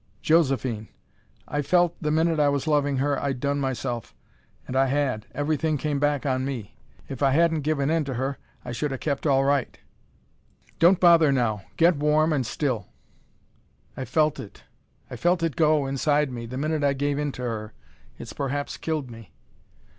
"Josephine. I felt, the minute I was loving her, I'd done myself. And I had. Everything came back on me. If I hadn't given in to her, I should ha' kept all right." "Don't bother now. Get warm and still " "I felt it I felt it go, inside me, the minute I gave in to her. It's perhaps killed me."